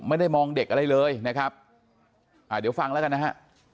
ไม่ได้มองเด็กอะไรเลยนะครับอ่าเดี๋ยวฟังแล้วกันนะฮะ